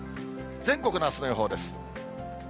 全国のあすの予報です。